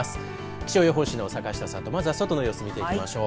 気象予報士の坂下さんとまず外の様子を見ていきましょう。